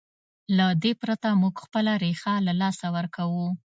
له دې پرته موږ خپله ریښه له لاسه ورکوو.